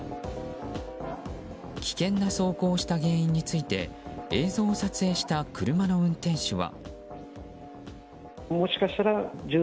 危険な走行をした原因について映像を撮影した車の運転手は。